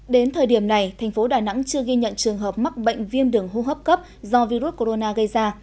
đến thời điểm này thành phố đà nẵng chưa ghi nhận trường hợp mắc bệnh viêm đường hô hấp cấp do virus corona gây ra